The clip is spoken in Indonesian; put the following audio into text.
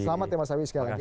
selamat ya mas awi sekali lagi